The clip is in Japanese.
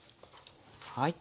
はい。